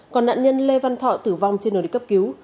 còn nạn nhân lê văn thọ tử vong trên đường đi cấp cứu